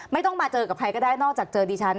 ไม่ต้องมาเจอกับใครก็ได้นอกจากเจอดิฉัน